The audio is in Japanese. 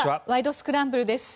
スクランブル」です。